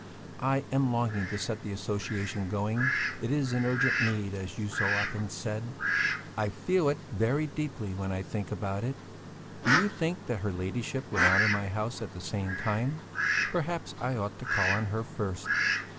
I am longing to set the association going; it is an urgent need, as you so often said; I feel it very deeply when I think about it. Do you think that her Ladyship would honour my house at the same time? Perhaps I ought to call on her first.